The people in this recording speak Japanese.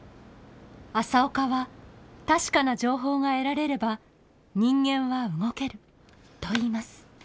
朝岡は確かな情報が得られれば人間は動けると言います。